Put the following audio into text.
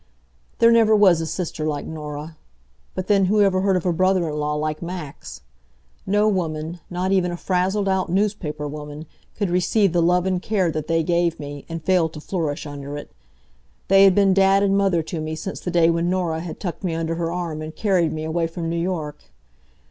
There never was a sister like Norah. But then, who ever heard of a brother in law like Max? No woman not even a frazzled out newspaper woman could receive the love and care that they gave me, and fail to flourish under it. They had been Dad and Mother to me since the day when Norah had tucked me under her arm and carried me away from New York.